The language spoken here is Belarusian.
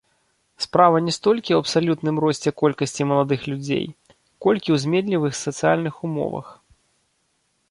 Справа не столькі ў абсалютным росце колькасці маладых людзей, колькі ў зменлівых сацыяльных умовах.